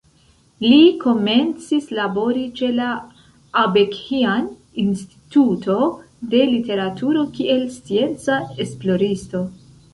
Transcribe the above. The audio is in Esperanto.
Li komencis labori ĉe la Abeghjan Instituto de Literaturo kiel scienca esploristo.